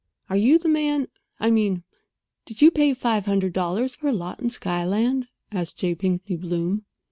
"Are you the man—I mean, did you pay five hundred dollars for a lot in Skyland" asked J. Pinkney Bloom.